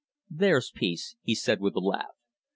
"There's peace," he said with a laugh.